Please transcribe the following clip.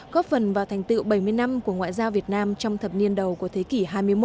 góp phần vào thành tựu bảy mươi năm của ngoại giao việt nam trong thập niên đầu của thế kỷ hai mươi một